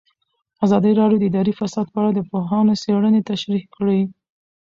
ازادي راډیو د اداري فساد په اړه د پوهانو څېړنې تشریح کړې.